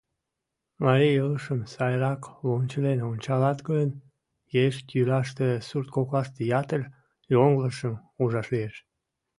Марий илышым сайрак лончылен ончалат гын, еш йӱлаште, сурт коклаште ятыр йоҥылышым ужаш лиеш.